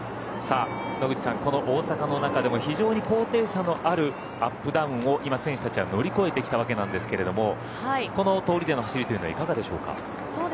野口さん、この大阪の中でも非常に高低差のあるアップダウンを今、選手たちは乗り越えてきたわけなんですけどこの通りでの走りというのはいかがでしょうか？